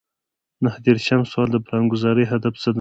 نهه دېرشم سوال د پلانګذارۍ هدف څه دی.